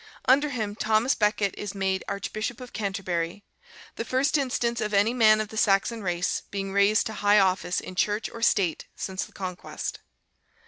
Under him Thomas a Becket is made Archbishop of Canterbury: the first instance of any man of the Saxon race being raised to high office in Church or State since the Conquest.